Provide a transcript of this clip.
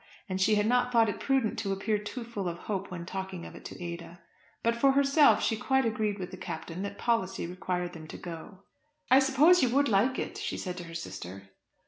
And she had not thought it prudent to appear too full of hope when talking of it to Ada; but for herself she quite agreed with the Captain that policy required them to go. "I suppose you would like it?" she said to her sister.